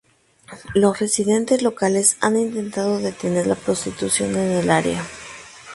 Los residentes locales han intentado detener la prostitución en el área.